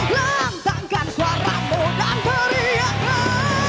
lantangkan suara moh dan periakan